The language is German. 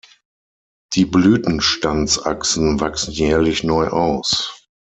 Die Blütenstandsachsen wachsen jährlich neu aus.